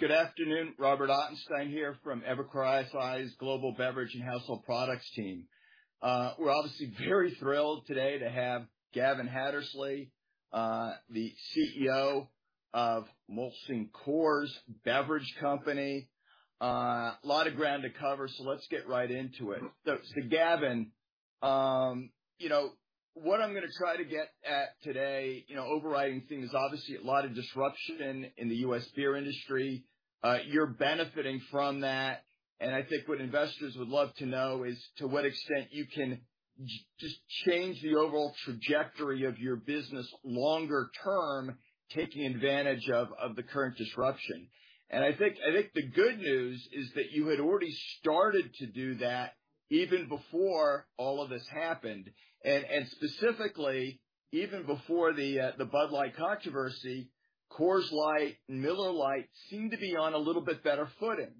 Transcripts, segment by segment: Hey, good afternoon, Robert Ottenstein here from Evercore ISI's Global Beverage and Household Products team. We're obviously very thrilled today to have Gavin Hattersley, the CEO of Molson Coors Beverage Company. A lot of ground to cover, let's get right into it. Gavin, you know, what I'm gonna try to get at today, you know, overriding theme is obviously a lot of disruption in the U.S. beer industry. You're benefiting from that, I think what investors would love to know is to what extent you can just change the overall trajectory of your business longer term, taking advantage of the current disruption? I think the good news is that you had already started to do that even before all of this happened, and specifically, even before the Bud Light controversy, Coors Light, Miller Lite seemed to be on a little bit better footing.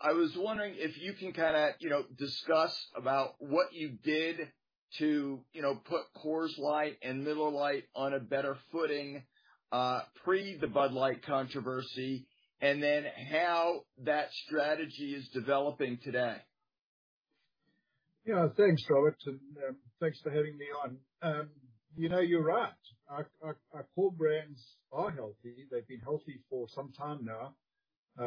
I was wondering if you can kind of, you know, discuss about what you did to, you know, put Coors Light and Miller Lite on a better footing, pre the Bud Light controversy, and then how that strategy is developing today? Yeah. Thanks, Robert, and thanks for having me on. You know, you're right. Our core brands are healthy. They've been healthy for some time now.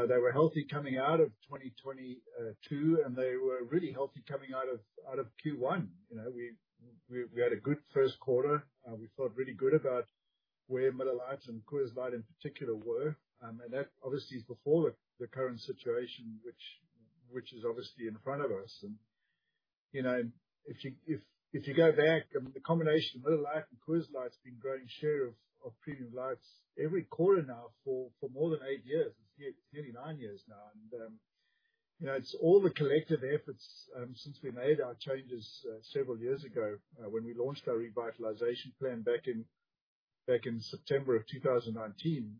They were healthy coming out of 2022, and they were really healthy coming out of Q1. You know, we had a good first quarter. We felt really good about where Miller Lite and Coors Light, in particular, were. That obviously is before the current situation, which is obviously in front of us. You know, if you go back, I mean, the combination of Miller Lite and Coors Light has been growing share of premium lights every quarter now for more than eight years, nearly nine years now. You know, it's all the collective efforts since we made our changes several years ago, when we launched our revitalization plan back in September of 2019,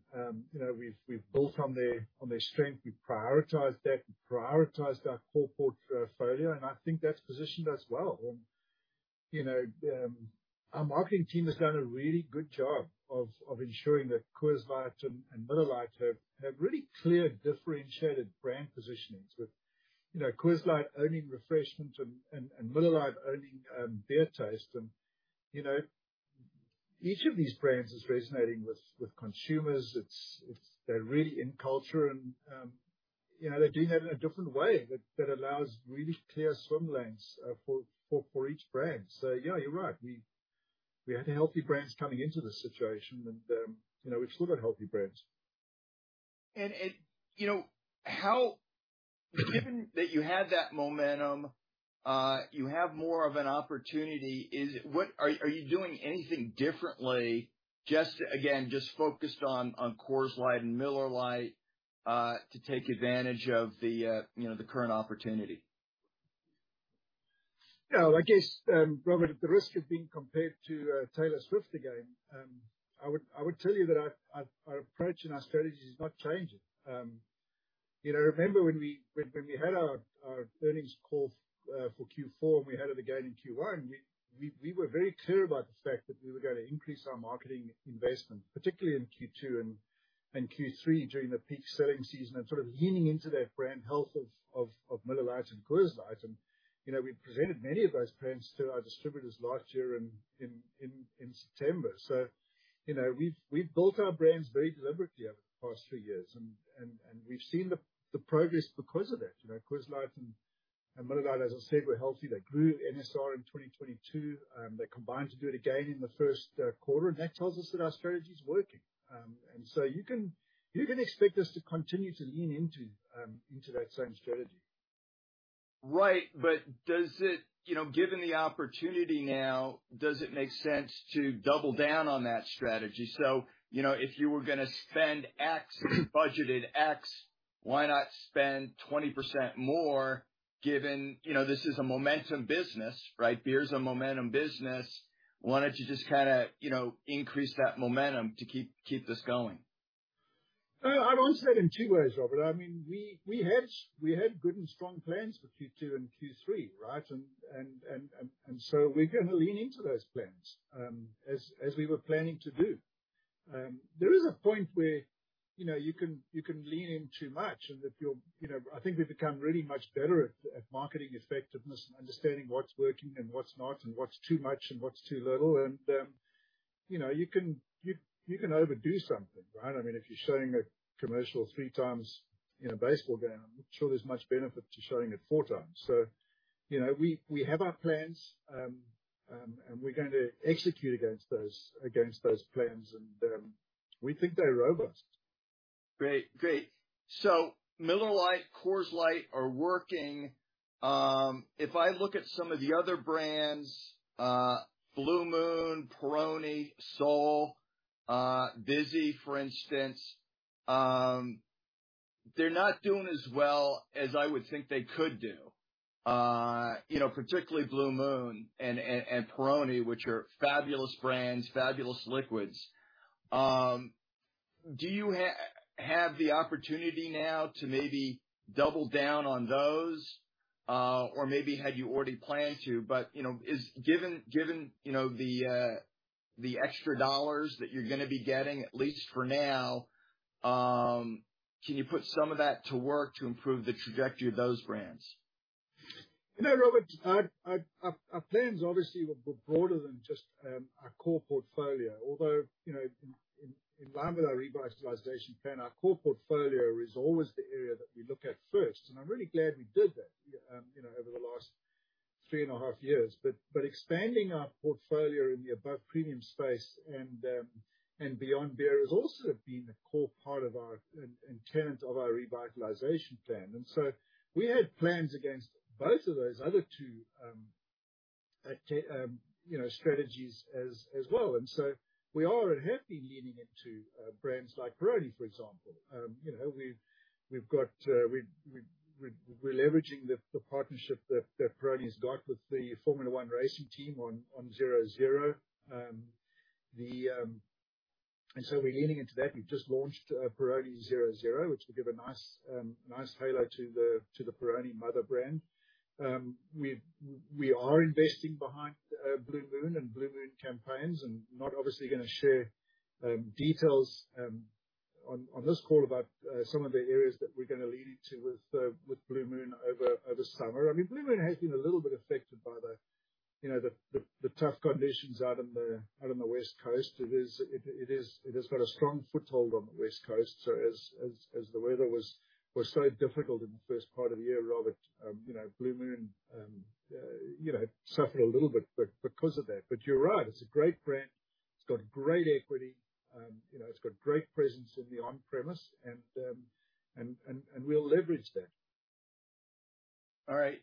you know, we've built on their strength. We prioritized that, we prioritized our core portfolio, and I think that's positioned us well. You know, our marketing team has done a really good job of ensuring that Coors Light and Miller Lite have really clear, differentiated brand positionings with, you know, Coors Light owning refreshment and Miller Lite owning beer taste. You know, each of these brands is resonating with consumers. They're really in culture and, you know, they're doing that in a different way, that allows really clear swim lanes for each brand. Yeah, you're right, we had healthy brands coming into this situation, and, you know, we've still got healthy brands. You know, given that you had that momentum, you have more of an opportunity. Are you doing anything differently? Just, again, just focused on Coors Light and Miller Lite to take advantage of the, you know, the current opportunity. Robert, at the risk of being compared to Taylor Swift again, I would tell you that our approach and our strategy is not changing. You know, remember when we had our earnings call for Q4, and we had it again in Q1, we were very clear about the fact that we were gonna increase our marketing investment, particularly in Q2 and Q3, during the peak selling season, and sort of leaning into that brand health of Miller Lite and Coors Light. You know, we presented many of those brands to our distributors last year in September. You know, we've built our brands very deliberately over the past few years and we've seen the progress because of that. You know, Coors Light and Miller Lite, as I said, were healthy. They grew NSR in 2022. They combined to do it again in the first quarter, and that tells us that our strategy is working. You can expect us to continue to lean into that same strategy. Right. You know, given the opportunity now, does it make sense to double down on that strategy? You know, if you were gonna spend X, budgeted X, why not spend 20% more given, you know, this is a momentum business, right? Beer is a momentum business. Why don't you just kind of, you know, increase that momentum to keep this going? Well, I'd answer that in two ways, Robert. I mean, we had good and strong plans for Q2 and Q3, right? We're gonna lean into those plans as we were planning to do. There is a point where, you know, you can lean in too much. You know, I think we've become really much better at marketing effectiveness and understanding what's working and what's not, and what's too much and what's too little. You know, you can overdo something, right? I mean, if you're showing a commercial three times in a baseball game, I'm not sure there's much benefit to showing it four times. You know, we have our plans and we're going to execute against those plans, and we think they're robust. Great. Great. Miller Lite, Coors Light are working. If I look at some of the other brands, Blue Moon, Peroni, Sol, Vizzy, for instance, they're not doing as well as I would think they could do. You know, particularly Blue Moon and Peroni, which are fabulous brands, fabulous liquids. Do you have the opportunity now to maybe double down on those? Maybe had you already planned to, but, you know, Given, you know, the extra dollars that you're gonna be getting, at least for now, can you put some of that to work to improve the trajectory of those brands? You know, Robert, I, our plan's obviously broader than just, our core portfolio. Although, you know, in line with our revitalization plan, our core portfolio is always the area that we look at first, and I'm really glad we did that, you know, over the last three and a half years. Expanding our portfolio in the above premium space and beyond beer has also been a core part of our, in terms of our revitalization plan. We had plans against both of those other two, you know, strategies as well. We are and have been leaning into brands like Peroni, for example. You know, we've got, we're leveraging the partnership that Peroni's got with the Formula One racing team on 0.0%. We're leaning into that. We've just launched Peroni 0.0%, which will give a nice halo to the Peroni mother brand. We are investing behind Blue Moon and Blue Moon campaigns, and not obviously gonna share details on this call about some of the areas that we're gonna lead into with Blue Moon over summer. I mean, Blue Moon has been a little bit affected by the, you know, tough conditions out in the West Coast. It has got a strong foothold on the West Coast. As the weather was so difficult in the first part of the year, Robert, you know, Blue Moon, you know, suffered a little bit because of that. You're right, it's a great brand. It's got great equity, you know, it's got great presence in the on-premise and we'll leverage that. All right.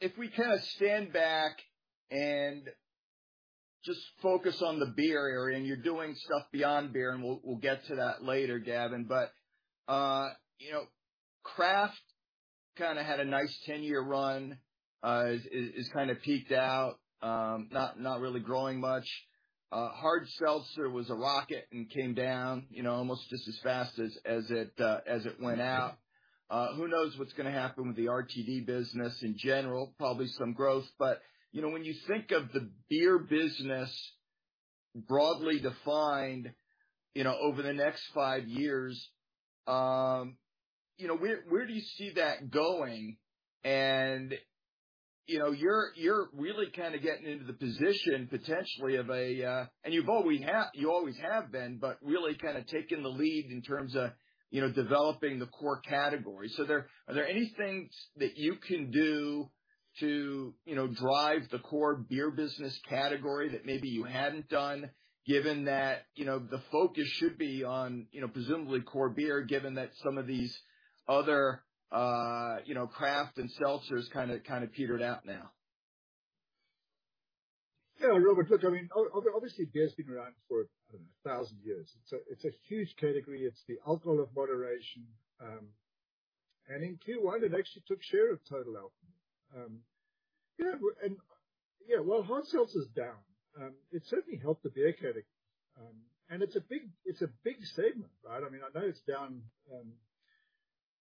If we kind of stand back and just focus on the beer area, and you're doing stuff beyond beer, and we'll get to that later, Gavin, but, you know, craft kind of had a nice 10-year run. It's kind of peaked out, not really growing much. Hard seltzer was a rocket and came down, you know, almost just as fast as it went out. Who knows what's gonna happen with the RTD business in general? Probably some growth, but, you know, when you think of the beer business broadly defined, you know, over the next five years, you know, where do you see that going? You know, you're really kind of getting into the position, potentially, of a. You've always been, really kind of taking the lead in terms of, you know, developing the core category. Are there any things that you can do to, you know, drive the core beer business category that maybe you hadn't done, given that, you know, the focus should be on, you know, presumably core beer, given that some of these other, you know, craft and seltzers kind of petered out now? Yeah, Robert, look, I mean, obviously, beer's been around for, I don't know, 1,000 years. It's a huge category. It's the alcohol of moderation. In Q1, it actually took share of total alcohol. While hard seltzer is down, it certainly helped the beer category. It's a big segment, right? I mean, I know it's down,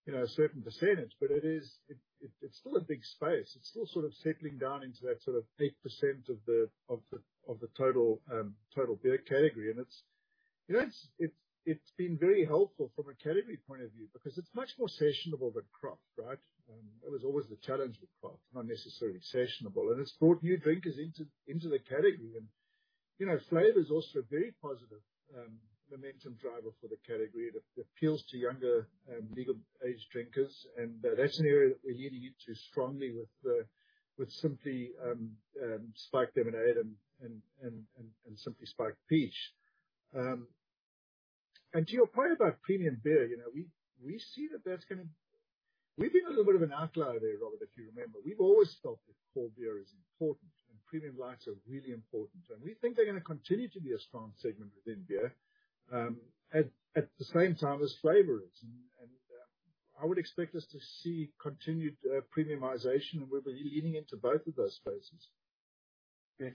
you know, a certain percentage, but it's still a big space. It's still sort of settling down into that sort of 8% of the total beer category. It's, you know, been very helpful from a category point of view because it's much more sessionable than craft, right? That was always the challenge with craft, not necessarily sessionable, and it's brought new drinkers into the category. You know, flavor's also a very positive momentum driver for the category that appeals to younger legal age drinkers, and that's an area that we're leaning into strongly with Simply Spiked Lemonade and Simply Spiked Peach. To your point about premium beer, you know, we see we've been a little bit of an outlier there, Robert, if you remember. We've always felt that core beer is important and premium lights are really important, and we think they're gonna continue to be a strong segment within beer at the same time as flavor is. I would expect us to see continued premiumization, and we'll be leaning into both of those spaces. Okay.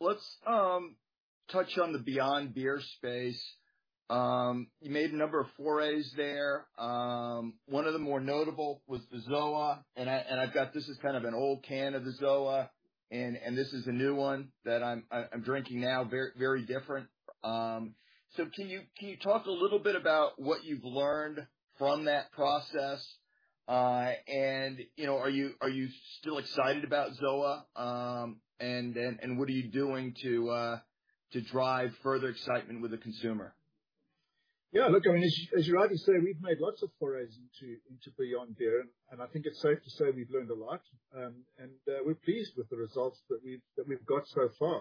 Let's touch on the beyond beer space. You made a number of forays there. One of the more notable was the ZOA, this is kind of an old can of the ZOA, and this is a new one that I'm drinking now. Very, very different. Can you talk a little bit about what you've learned from that process? You know, are you still excited about ZOA? What are you doing to drive further excitement with the consumer? Look, I mean, as you rightly say, we've made lots of forays into beyond beer, and I think it's safe to say we've learned a lot. We're pleased with the results that we've got so far.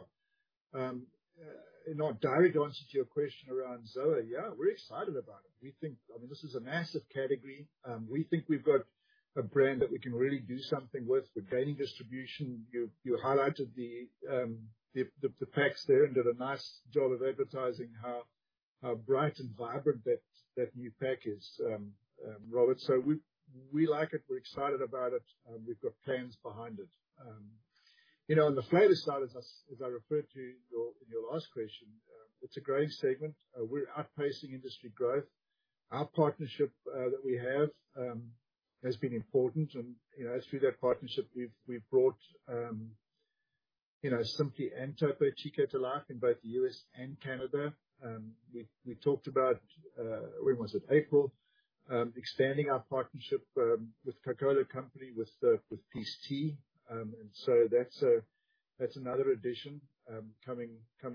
You know, directly to answer to your question around ZOA, yeah, we're excited about it. I mean, this is a massive category. We think we've got a brand that we can really do something with. We're gaining distribution. You highlighted the packs there and did a nice job of advertising how bright and vibrant that new pack is, Robert. We like it, we're excited about it, and we've got plans behind it. You know, on the flavor side, as I referred to in your last question. It's a growing segment. We're outpacing industry growth. Our partnership that we have has been important, and, you know, through that partnership, we've brought, you know, Simply and Topo Chico to life in both the U.S. and Canada. We talked about, when was it? April, expanding our partnership with Coca-Cola Company, with Peace Tea. That's another addition coming to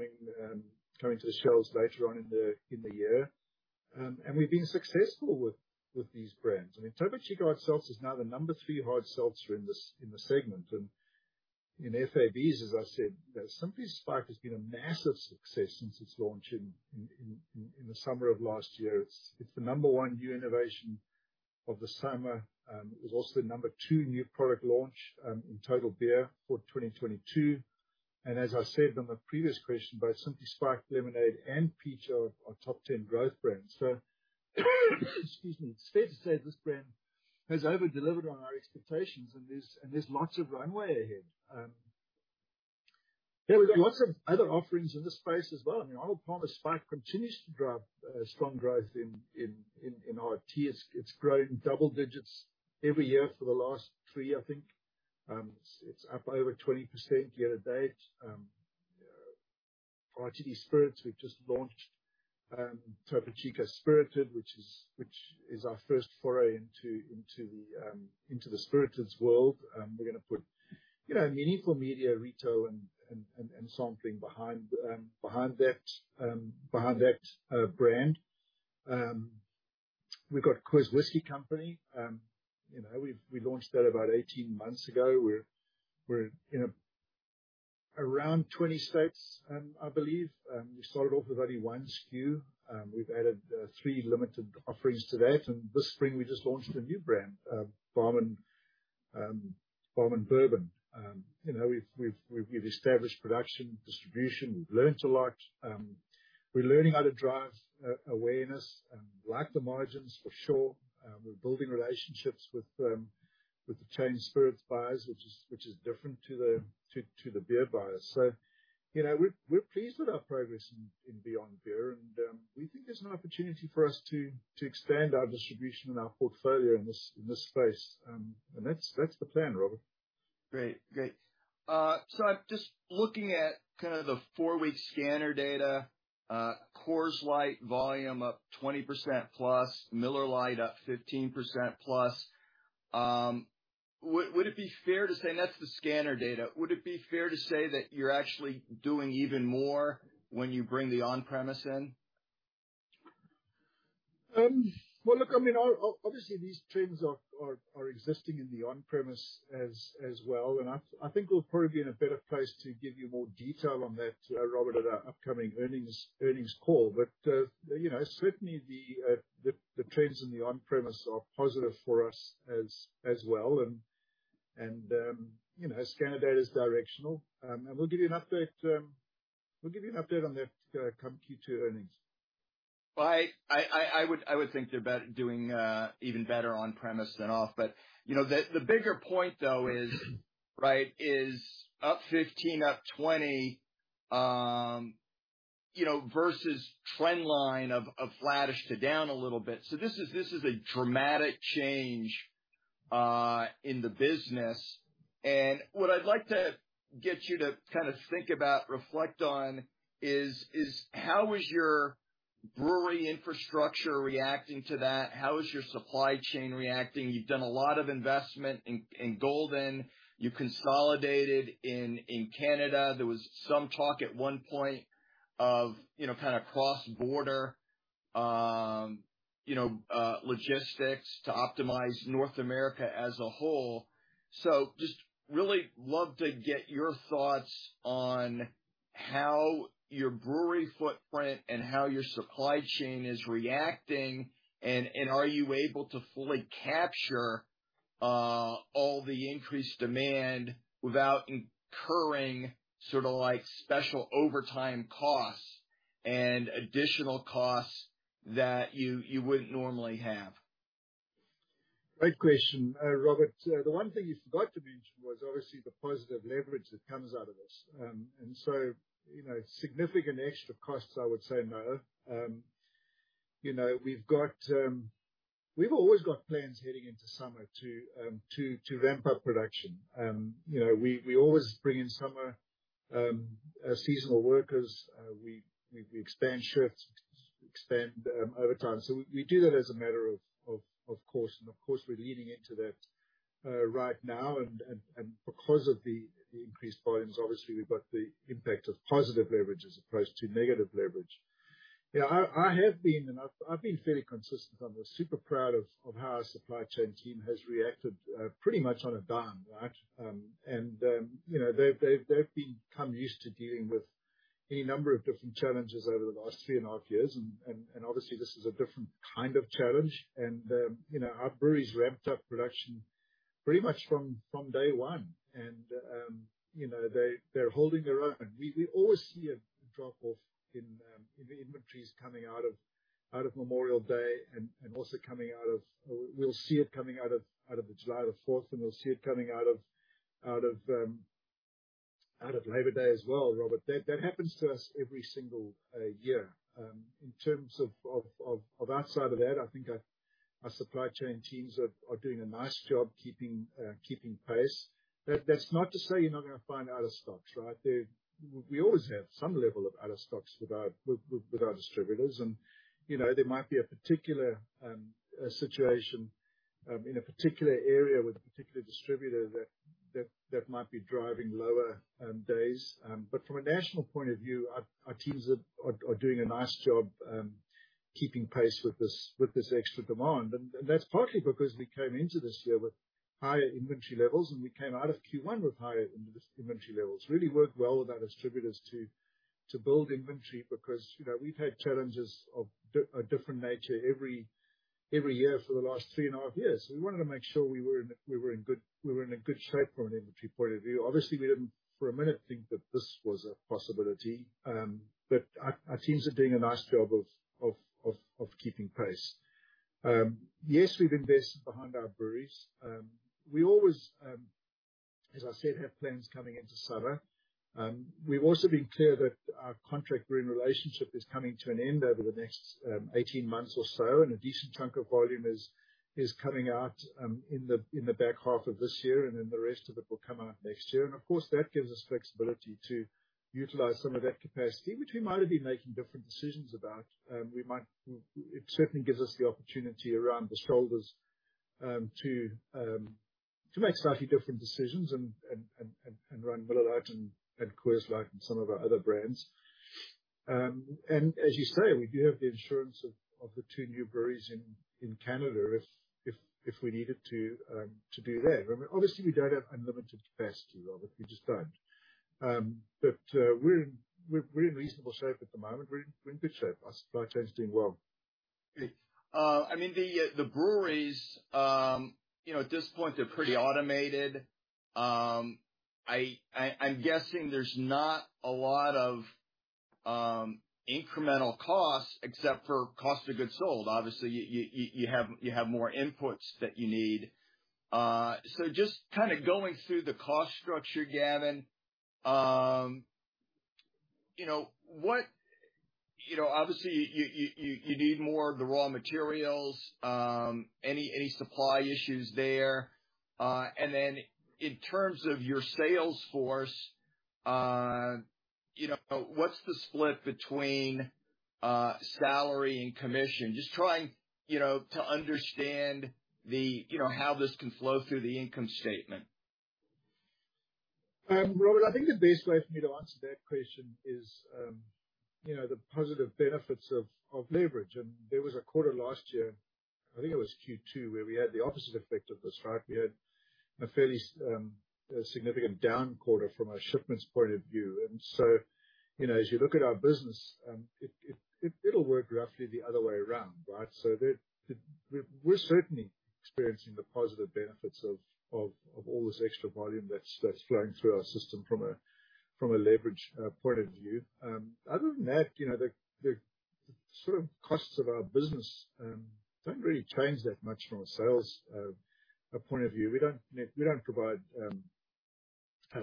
the shelves later on in the year. We've been successful with these brands. I mean, Topo Chico Hard Seltzer is now the number three hard seltzer in the segment, and in FABs, as I said, Simply Spiked has been a massive success since its launch in the summer of last year. It's the number one new innovation of the summer. It was also the number two new product launch in total beer for 2022. As I said on the previous question, both Simply Spiked Lemonade and Peach are top 10 growth brands. Excuse me. It's fair to say this brand has over-delivered on our expectations, and there's lots of runway ahead. Yeah, we've got lots of other offerings in this space as well. I mean, Arnold Palmer Spiked continues to drive strong growth in RT. It's growing double digits every year for the last three, I think. It's up over 20% year to date. RTD Spirits, we've just launched Topo Chico Spirited, which is our first foray into the spirits world. We're gonna put, you know, meaningful media, retail, and sampling behind that brand. We've got Coors Whiskey Company. You know, we launched that about 18 months ago, we're in around 20 states, I believe. We started off with only one SKU. We've added three limited offerings to that, and this spring, we just launched a new brand, Barmen Bourbon. You know, we've established production, distribution. We've learned a lot. We're learning how to drive awareness, and like the margins for sure. We're building relationships with the chain spirits buyers, which is different to the beer buyers. You know, we're pleased with our progress in beyond beer, and we think there's an opportunity for us to extend our distribution and our portfolio in this space. That's the plan, Robert. Great. Great. Just looking at kind of the four-week scanner data, Coors Light volume up 20%+, Miller Lite up 15%+. Would it be fair to say... That's the scanner data. Would it be fair to say that you're actually doing even more when you bring the on-premise in? Well, look, I mean, obviously, these trends are existing in the on-premise as well. I think we'll probably be in a better place to give you more detail on that, Robert, at our upcoming earnings call. You know, certainly the trends in the on-premise are positive for us as well. You know, scanner data is directional. We'll give you an update on that, come Q2 earnings. Well, I would think they're doing even better on-premise than off. You know, the bigger point, though, is, right, is up 15%, up 20%, you know, versus trend line of flattish to down a little bit. This is a dramatic change in the business. What I'd like to get you to kind of think about, reflect on is: How is your brewery infrastructure reacting to that? How is your supply chain reacting? You've done a lot of investment in Golden. You consolidated in Canada. There was some talk at one point of, you know, kind of cross-border logistics to optimize North America as a whole. Just really love to get your thoughts on how your brewery footprint and how your supply chain is reacting, and are you able to fully capture all the increased demand without incurring sort of like special overtime costs and additional costs that you wouldn't normally have? Great question, Robert. The one thing you forgot to mention was obviously the positive leverage that comes out of this. You know, significant extra costs, I would say no. You know, we've always got plans heading into summer to ramp up production. You know, we always bring in summer seasonal workers. We expand shifts, expand overtime. We do that as a matter of course, and of course, we're leaning into that right now. Because of the increased volumes, obviously, we've got the impact of positive leverage as opposed to negative leverage. You know, I have been, and I've been fairly consistent on this, super proud of how our supply chain team has reacted pretty much on a dime, right? You know, they've become used to dealing with any number of different challenges over the last three and a half years, and obviously, this is a different kind of challenge. You know, our breweries ramped up production pretty much from day one, and you know, they're holding their own. We always see a drop-off in the inventories coming out of Memorial Day and also coming out of, or we'll see it coming out of July the fourth, and we'll see it coming out of Labor Day as well, Robert. That happens to us every single year. In terms of outside of that, I think our supply chain teams are doing a nice job keeping pace. That's not to say you're not gonna find out of stocks, right? We always have some level of out of stocks with our distributors. You know, there might be a particular situation in a particular area with a particular distributor that might be driving lower days. From a national point of view, our teams are doing a nice job keeping pace with this extra demand. That's partly because we came into this year with higher inventory levels, and we came out of Q1 with higher inventory levels. Really worked well with our distributors to build inventory, because, you know, we've had challenges of a different nature every year for the last 3.5 years. We wanted to make sure we were in a good shape from an inventory point of view. Obviously, we didn't for a minute think that this was a possibility. Our teams are doing a nice job of keeping pace. Yes, we've invested behind our breweries. We always, as I said, have plans coming into summer. We've also been clear that our contract brewing relationship is coming to an end over the next 18 months or so, and a decent chunk of volume is coming out in the back half of this year, and then the rest of it will come out next year. Of course, that gives us flexibility to utilize some of that capacity, which we might have been making different decisions about. It certainly gives us the opportunity around the shoulders to make slightly different decisions and run Miller Lite and Coors Light and some of our other brands. As you say, we do have the insurance of the two new breweries in Canada if we need it to do that. I mean, obviously, we don't have unlimited capacity, Robert, we just don't. We're in reasonable shape at the moment. We're in good shape. Our supply chain is doing well. I mean, the breweries, you know, at this point, they're pretty automated. I'm guessing there's not a lot of incremental costs, except for cost of goods sold. Obviously, you have more inputs that you need. Just kind of going through the cost structure, Gavin, you know, what... You know, obviously, you need more of the raw materials. Any supply issues there? Then in terms of your sales force, you know, what's the split between salary and commission? Just trying, you know, to understand the, you know, how this can flow through the income statement. Robert, I think the best way for me to answer that question is, you know, the positive benefits of leverage. There was a quarter last year, I think it was Q2, where we had the opposite effect of this, right? We had a fairly, a significant down quarter from a shipments point of view. You know, as you look at our business, it'll work roughly the other way around, right? There, we're certainly experiencing the positive benefits of all this extra volume that's flowing through our system from a leverage point of view. Other than that, you know, the sort of costs of our business, don't really change that much from a sales point of view. We don't provide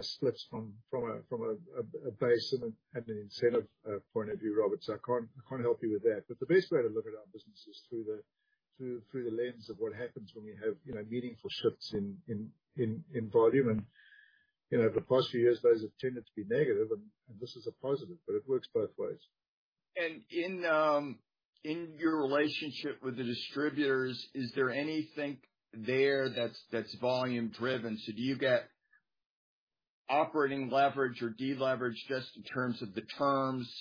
splits from a base and an incentive point of view, Robert. I can't help you with that. The best way to look at our business is through the lens of what happens when we have, you know, meaningful shifts in volume. You know, for the past few years, those have tended to be negative, and this is a positive, but it works both ways. In your relationship with the distributors, is there anything there that's volume driven? Do you get operating leverage or deleverage just in terms of the terms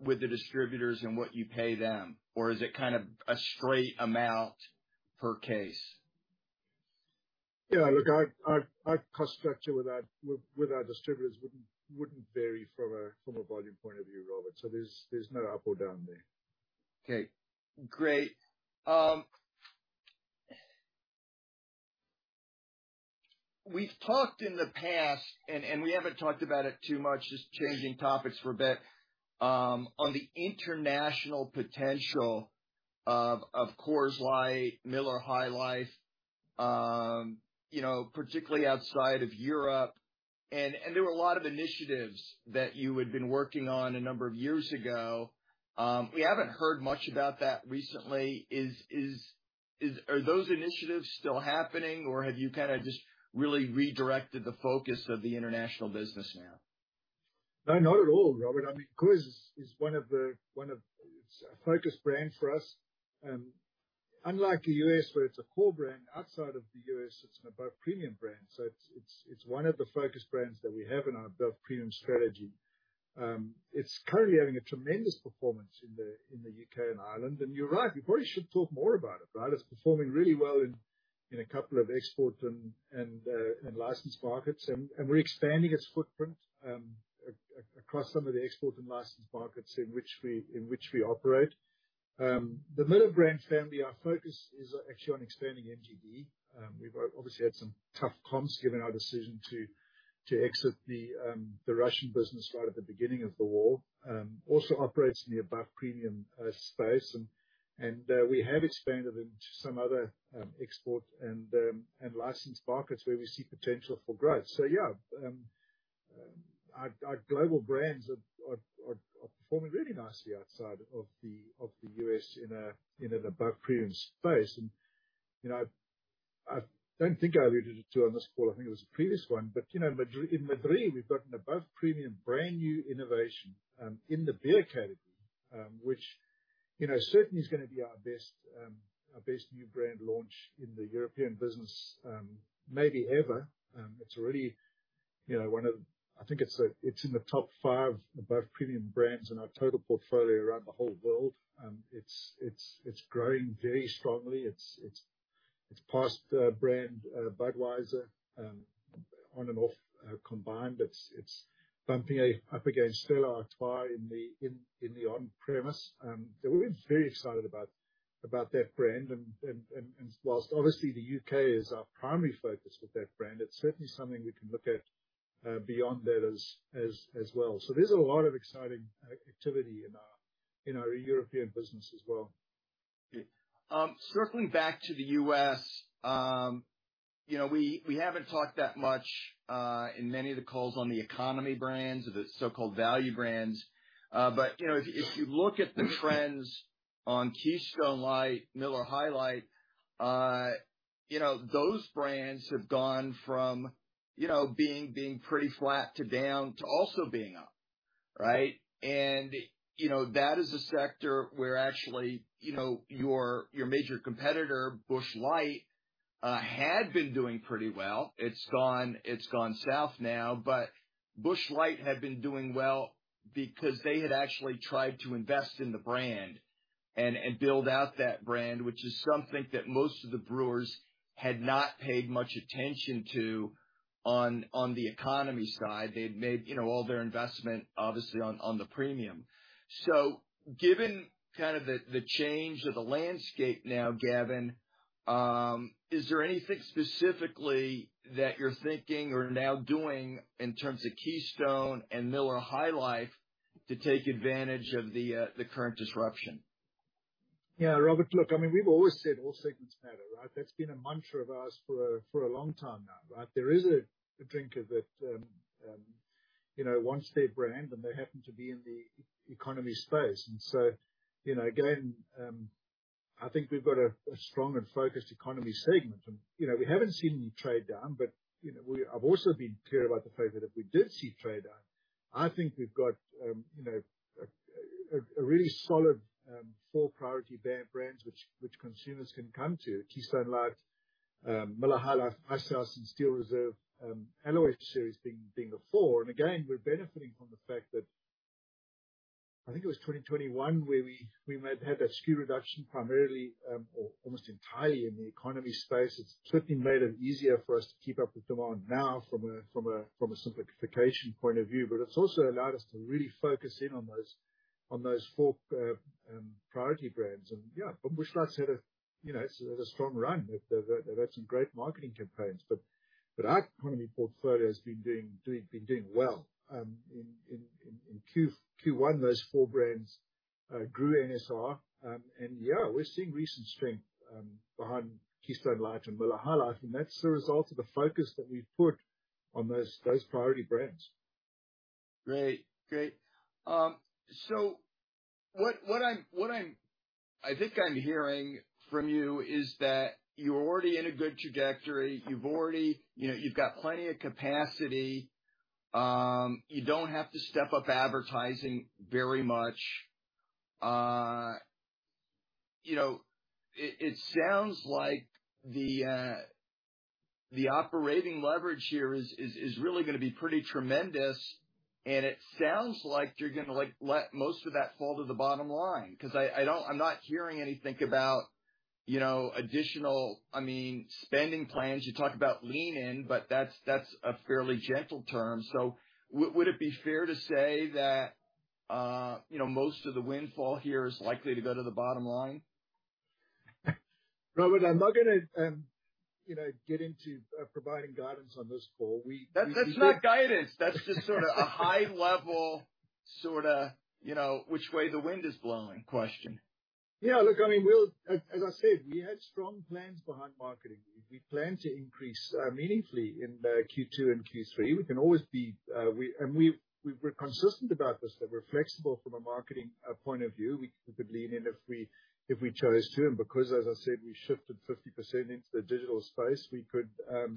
with the distributors and what you pay them, or is it kind of a straight amount per case? Yeah, look, our cost structure with our distributors wouldn't vary from a volume point of view, Robert, so there's no up or down there. Okay, great. We've talked in the past, and we haven't talked about it too much, just changing topics for a bit, on the international potential of Coors Light, Miller High Life, you know, particularly outside of Europe, and there were a lot of initiatives that you had been working on a number of years ago. We haven't heard much about that recently. Are those initiatives still happening, or have you kind of just really redirected the focus of the international business now? No, not at all, Robert. I mean, It's a focused brand for us. Unlike the U.S., where it's a core brand, outside of the U.S., it's an above premium brand. It's one of the focus brands that we have in our above premium strategy. It's currently having a tremendous performance in the U.K. and Ireland, and you're right, we probably should talk more about it, right? It's performing really well in a couple of export and license markets, and we're expanding its footprint. Across some of the export and license markets in which we operate. The Miller brand family, our focus is actually on expanding MGD. We've obviously had some tough comps, given our decision to exit the Russian business right at the beginning of the war. Also operates in the above premium space. We have expanded into some other export and licensed markets where we see potential for growth. Yeah, our global brands are performing really nicely outside of the U.S. in an above premium space. You know, I don't think I alluded to it on this call, I think it was the previous one, but, you know, in Madrid, we've got an above premium, brand new innovation in the beer category, which, you know, certainly is gonna be our best new brand launch in the European business, maybe ever. It's already, you know, one of I think it's in the top five above premium brands in our total portfolio around the whole world. It's growing very strongly. It's passed brand Budweiser on and off combined. It's bumping up against Stella Artois in the on premise. We're very excited about that brand. Whilst obviously the U.K. is our primary focus with that brand, it's certainly something we can look at beyond that as well. There's a lot of exciting activity in our European business as well. Circling back to the U.S., you know, we haven't talked that much in many of the calls on the economy brands, or the so-called value brands. You know, if you look at the trends on Keystone Light, Miller High Life, you know, those brands have gone from, you know, being pretty flat to down, to also being up, right? You know, that is a sector where actually, you know, your major competitor, Busch Light, had been doing pretty well. It's gone, it's gone south now, but Busch Light had been doing well because they had actually tried to invest in the brand and build out that brand, which is something that most of the brewers had not paid much attention to on the economy side. They'd made, you know, all their investment, obviously, on the premium. Given kind of the change of the landscape now, Gavin, is there anything specifically that you're thinking or now doing in terms of Keystone and Miller High Life to take advantage of the current disruption? Yeah, Robert, look, I mean, we've always said all segments matter, right? That's been a mantra of ours for a long time now, right? There is a drinker that, you know, wants their brand, and they happen to be in the economy space. So, you know, again, I think we've got a strong and focused economy segment. You know, we haven't seen any trade down, but, you know, I've also been clear about the fact that if we did see trade down, I think we've got a really solid four priority brands which consumers can come to: Keystone Light, Miller High Life, Icehouse, and Steel Reserve Alloy Series being the four. Again, we're benefiting from the fact that... I think it was 2021, where we had that SKU reduction primarily or almost entirely in the economy space. It's certainly made it easier for us to keep up with demand now from a simplification point of view, but it's also allowed us to really focus in on those four priority brands. Yeah, but Busch Light's had a, you know, it's had a strong run. They've had some great marketing campaigns, but our economy portfolio has been doing well. In Q1, those four brands grew NSR. Yeah, we're seeing recent strength behind Keystone Light and Miller High Life, and that's a result of the focus that we've put on those priority brands. Great. Great. What I'm, I think I'm hearing from you is that you're already in a good trajectory. You've already, you know, you've got plenty of capacity. You don't have to step up advertising very much. You know, it sounds like the operating leverage here is really gonna be pretty tremendous, and it sounds like you're gonna, like, let most of that fall to the bottom line, 'cause I'm not hearing anything about, you know, additional, I mean, spending plans. You talk about lean in, but that's a fairly gentle term. Would it be fair to say that, you know, most of the windfall here is likely to go to the bottom line? Robert, I'm not gonna, you know, get into providing guidance on this call. That's not guidance! That's just sort of a high level, sort of, you know, which way the wind is blowing question. Yeah, look, I mean, as I said, we had strong plans behind marketing. We plan to increase meaningfully in Q2 and Q3. We can always be. We've, we're consistent about this, that we're flexible from a marketing point of view. We could lean in if we, if we chose to, and because, as I said, we shifted 50% into the digital space, we could, you know,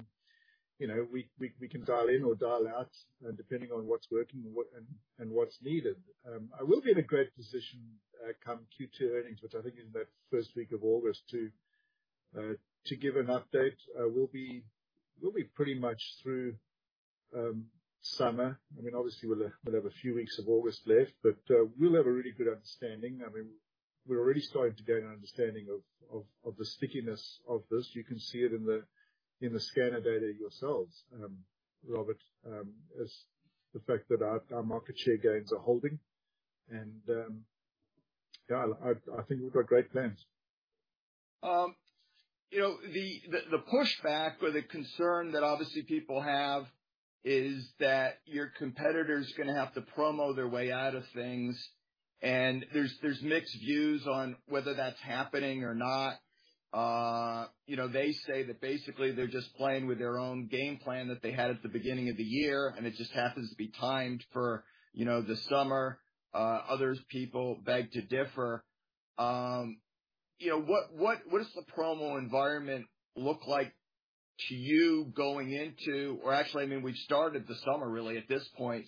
we can dial in or dial out depending on what's working and what and what's needed. I will be in a great position come Q2 earnings, which I think is in that first week of August, to give an update. We'll be pretty much through summer. I mean, obviously, we'll have a few weeks of August left, but we'll have a really good understanding. We're already starting to get an understanding of the stickiness of this. You can see it in the scanner data yourselves, Robert, as the fact that our market share gains are holding. Yeah, I think we've got great plans. You know, the pushback or the concern that obviously people have is that your competitors are gonna have to promo their way out of things, and there's mixed views on whether that's happening or not. You know, they say that basically they're just playing with their own game plan that they had at the beginning of the year, and it just happens to be timed for, you know, the summer. Others people beg to differ. You know, what does the promo environment look like to you I mean, we've started the summer really, at this point.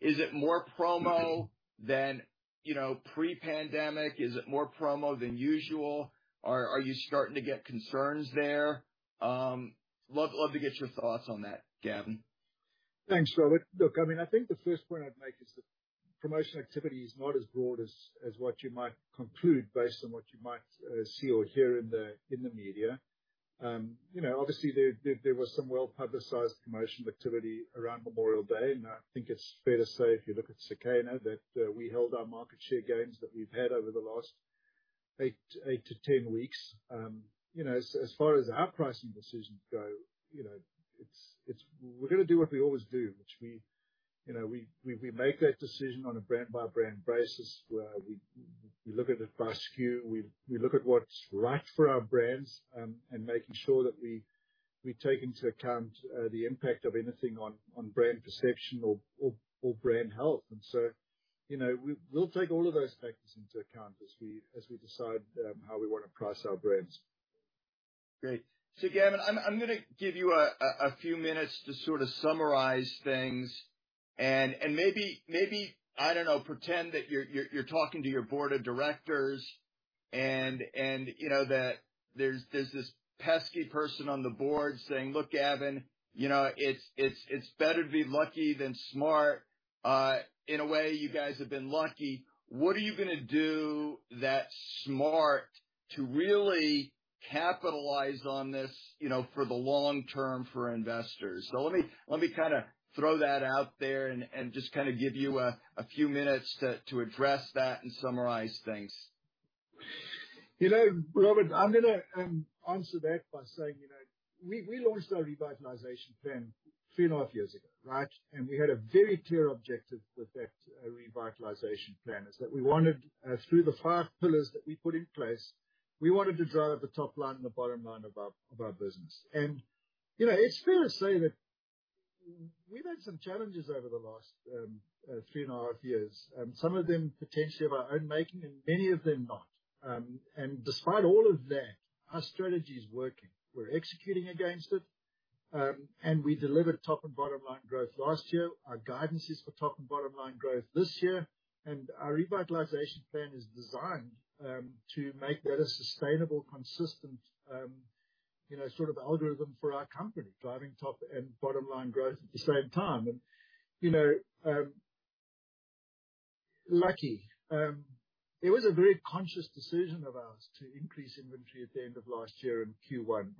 Is it more promo than, you know, pre-pandemic? Is it more promo than usual? Are you starting to get concerns there? Love to get your thoughts on that, Gavin. Thanks, Robert. Look, I mean, I think the first point I'd make is that promotion activity is not as broad as what you might conclude based on what you might see or hear in the media. You know, obviously there was some well-publicized promotion activity around Memorial Day. I think it's fair to say, if you look at Circana, that we held our market share gains that we've had over the last eight to 10 weeks. You know, as far as our pricing decisions go, you know, it's we're gonna do what we always do, which we, you know, we make that decision on a brand-by-brand basis, we look at it by SKU, we look at what's right for our brands, and making sure that we take into account the impact of anything on brand perception or brand health. You know, we'll take all of those factors into account as we decide how we wanna price our brands. Great! Gavin, I'm gonna give you a few minutes to sort of summarize things and maybe, I don't know, pretend that you're talking to your board of directors, and, you know, that there's this pesky person on the board saying, "Look, Gavin, you know, it's better to be lucky than smart. In a way, you guys have been lucky. What are you gonna do that's smart to really capitalize on this, you know, for the long term for investors?" Let me kinda throw that out there and just kinda give you a few minutes to address that and summarize things. You know, Robert, I'm gonna answer that by saying, you know, we launched our revitalization plan three and a half years ago, right? We had a very clear objective with that revitalization plan, is that we wanted through the five pillars that we put in place, we wanted to drive the top line and the bottom line of our business. You know, it's fair to say that we've had some challenges over the last three and a half years, some of them potentially of our own making and many of them not. Despite all of that, our strategy is working. We're executing against it, we delivered top and bottom line growth last year. Our guidance is for top and bottom line growth this year, and our revitalization plan is designed to make that a sustainable, consistent, you know, sort of algorithm for our company, driving top and bottom line growth at the same time. You know, lucky, it was a very conscious decision of ours to increase inventory at the end of last year in Q1,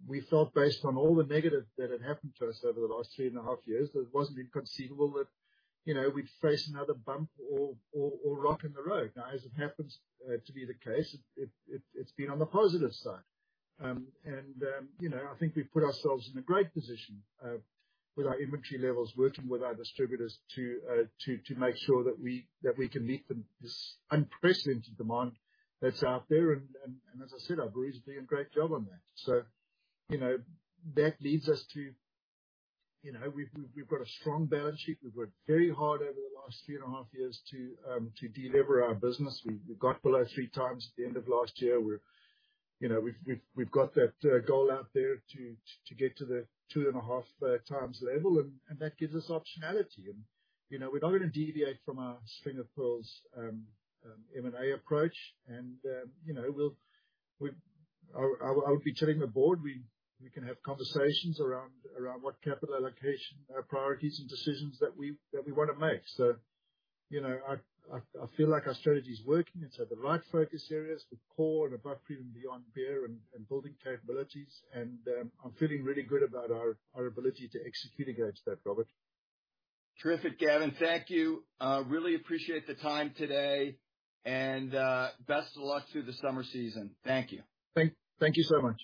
because we felt based on all the negative that had happened to us over the last three and a half years, that it wasn't inconceivable that, you know, we'd face another bump or rock in the road. Now, as it happens to be the case, it's been on the positive side. You know, I think we've put ourselves in a great position with our inventory levels, working with our distributors to make sure that we can meet this unprecedented demand that's out there, and as I said, our brew is doing a great job on that. You know, that leads us to, you know, we've got a strong balance sheet. We've worked very hard over the last three and a half years to delever our business. We've got below three times at the end of last year. We're, you know, we've got that goal out there to get to the two and a half times level, and that gives us optionality. You know, we're not gonna deviate from our string of pearls M&A approach. You know, I would be telling the board, we can have conversations around what capital allocation priorities and decisions that we wanna make. You know, I feel like our strategy is working. It's had the right focus areas with core and above, premium and beyond beer and building capabilities. I'm feeling really good about our ability to execute against that, Robert. Terrific, Gavin. Thank you. Really appreciate the time today, and best of luck through the summer season. Thank you. Thank you so much.